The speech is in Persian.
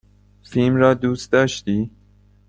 فیلم را دوست داشتی؟